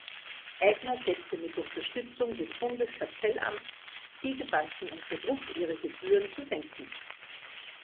Aigner setzte mit Unterstützung des Bundeskartellamts diese Banken unter Druck, ihre Gebühren zu senken.